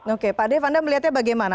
oke pak dev anda melihatnya bagaimana